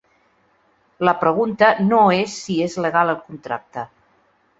La pregunta no és si és legal el contracte.